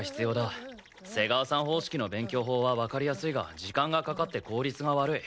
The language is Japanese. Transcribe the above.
瀬川さん方式の勉強法はわかりやすいが時間がかかって効率が悪い。